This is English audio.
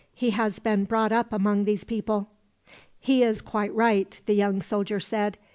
He has been brought up among these people." "He is quite right," the young soldier said.